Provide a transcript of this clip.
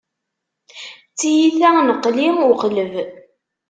D tiyita n qli u qleb.